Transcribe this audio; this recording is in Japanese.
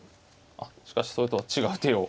あっしかしそれとは違う手を。